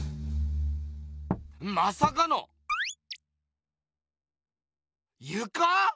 まさかのゆか⁉